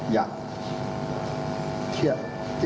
อย่าเทียบ